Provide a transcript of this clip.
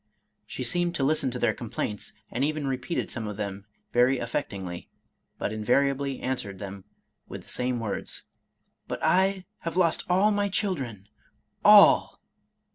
She seemed to listen to their complaints, and even repeated some of them very aflfectinglyj but invariably answered them with the same words, " But I have lost all my chil dren — all!